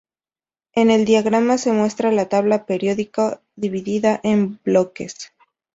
En el diagrama se muestra la tabla periódica dividida en bloques.